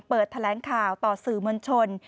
เปิดแถลงข่าวต่อสื่อเมืองชน